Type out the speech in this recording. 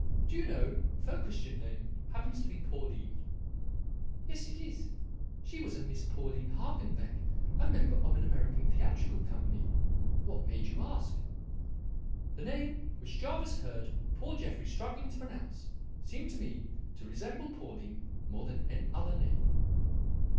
Do you know if her Christian name happens to be Pauline?" "Yes, it is. She was a Miss Pauline Hagenbeck, a member of an American theatrical company. What made you ask?" "The name which Jervis heard poor Jeffrey struggling to pronounce seemed to me to resemble Pauline more than any other name."